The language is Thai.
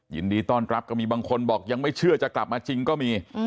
ยินดีต้อนรับก็มีบางคนบอกยังไม่เชื่อจะกลับมาจริงก็มี